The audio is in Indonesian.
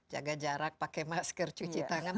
jaga jarak pakai masker cuci tangan